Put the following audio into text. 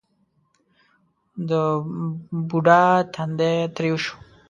د بوډا تندی ترېو شو: